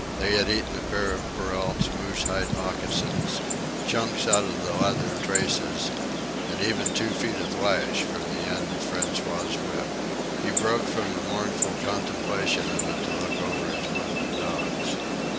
They had eaten a pair of Perrault's moose hide moccasins, chunks out of the leather traces, and even two feet of lash from the end of François's whip. He broke from a mournful contemplation of it to look over his wounded dogs.